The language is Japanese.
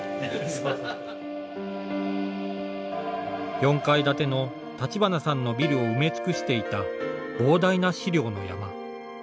４階建ての立花さんのビルを埋め尽くしていた膨大な資料の山。